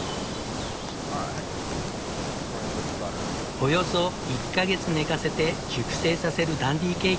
およそ１か月寝かせて熟成させるダンディーケーキ。